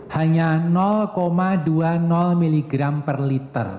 hanya dua puluh miligram per liter